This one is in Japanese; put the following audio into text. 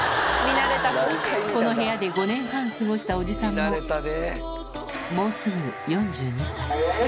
この部屋で５年半過ごしたおじさんも、もうすぐ４２歳。